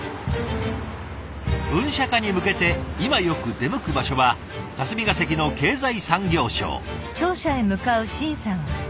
分社化に向けて今よく出向く場所は霞が関の経済産業省。